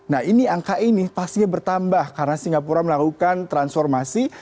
nah ini angka ini pastinya bertambah karena singapura melakukan transformasi